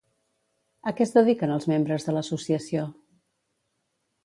A què es dediquen els membres de l'Associació?